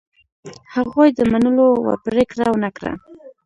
هغوی د منلو وړ پرېکړه ونه کړه.